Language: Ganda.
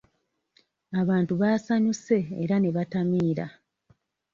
Abantu baasanyuse era ne batamiira.